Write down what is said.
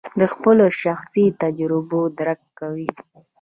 د خپلو شخصي تجربو درک کوو.